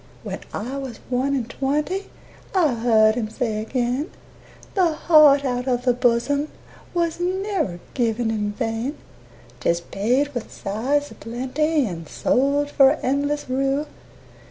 When I was one and twenty I heard him say again, "The heart out of the bosom Was never given in vain; 'Tis paid with sighs a plenty And sold for endless rue."